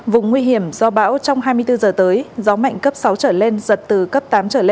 vùng nguy hiểm do bão trong hai mươi bốn giờ tới gió mạnh cấp sáu trở lên giật từ cấp tám trở lên